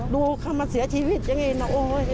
ดูเขามาเสียชีวิตอย่างนี้นะ